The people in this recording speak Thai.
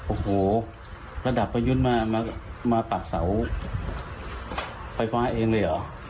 โอ้โหระดับประยุทธ์มาปรับเสาไฟฟ้าเองเลยเหรอ